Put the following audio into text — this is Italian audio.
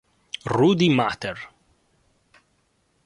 Rudy Mater